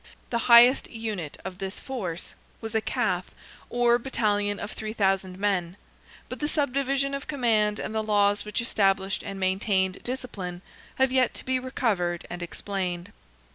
The highest unit of this force was a Cath, or battalion of 3,000 men; but the subdivision of command and the laws which established and maintained discipline have yet to be recovered and explained.